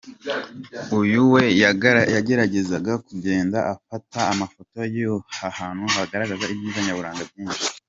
Uyu we yageragezaga kugenda afata amafoto y'aha hantu hagaragaza ibyiza nyaburanga byinshi.